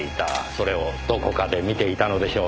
それをどこかで見ていたのでしょうねぇ。